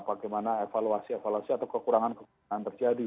bagaimana evaluasi evaluasi atau kekurangan kekurangan terjadi